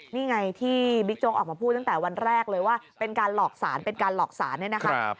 นี่ไงที่บิ๊กโจ๊กออกมาพูดตั้งแต่วันแรกเลยว่าเป็นการหลอกสารเป็นการหลอกสารเนี่ยนะคะ